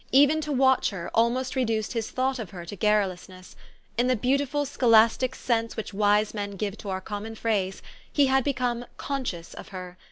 Even to watch her, almost reduced his thought of her to garrulousness. In the beautiful scholastic sense which wise men give to our common phrase, he had become conscious of her.